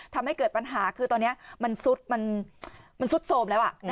ทำให้เกิดปัญหาคือตอนนี้มันสุดโสมแล้วอ่ะ